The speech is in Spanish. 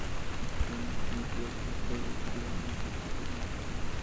La arena tiene color tostado y su grano es de tipo medio.